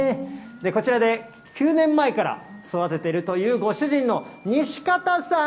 こちらで９年前から育てているという、ご主人の西方さん。